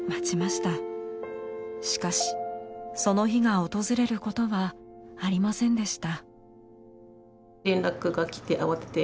しかしその日が訪れることはありませんでした。